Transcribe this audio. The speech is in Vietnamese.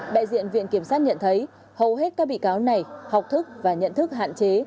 đại diện viện kiểm sát nhận thấy hầu hết các bị cáo này học thức và nhận thức hạn chế